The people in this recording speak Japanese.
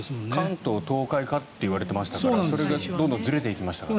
関東、東海かといわれていましたからそれがどんどんずれていきましたからね。